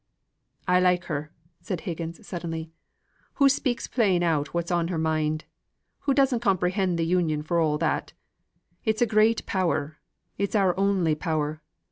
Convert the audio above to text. "I like her," said Higgins, suddenly. "Hoo speaks plain out what's in her mind. Hoo doesn't comprehend th' Union for all that. It's a great power: it's our only power.